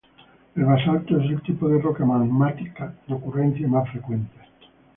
El basalto es el tipo de roca magmática de ocurrencia más frecuente.